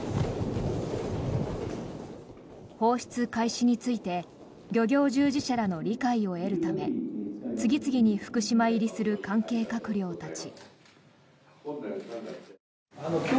放出開始について漁業従事者らの理解を得るため次々に福島入りする関係閣僚たち。